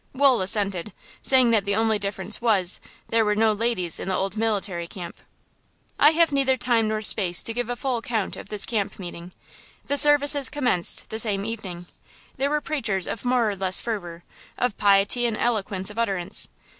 Wood assented, saying that the only difference was, there were no ladies in the old military camp. I have neither time nor space to give a full account of this camp meeting. The services commenced the same evening. There were preachers of more or less fervor, of piety and eloquence of utterance.